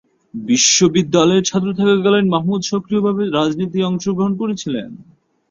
বিশ্ববিদ্যালয়ের ছাত্র থাকাকালীন মাহমুদ সক্রিয়ভাবে রাজনীতি অংশগ্রহণ করেছিলেন।